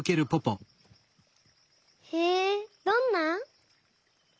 へえどんな？